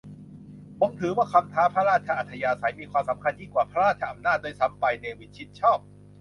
ผมถือว่า คำว่า พระราชอัธยาศัย มีความสำคัญยิ่งกว่า พระราชอำนาจ ด้วยซ้ำไป - เนวิน ชิดชอบ